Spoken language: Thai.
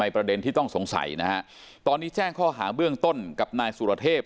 ประเด็นที่ต้องสงสัยนะฮะตอนนี้แจ้งข้อหาเบื้องต้นกับนายสุรเทพ